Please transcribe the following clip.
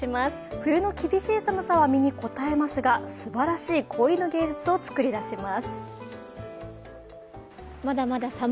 冬の厳しい寒さは身にこたえますが、すばらしい氷の芸術を作り出します。